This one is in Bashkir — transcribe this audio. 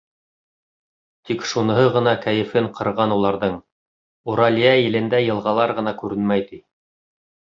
Тик шуныһы ғына кәйефен ҡырған уларҙың: Уралиә илендә йылғалар ғына күренмәй, ти.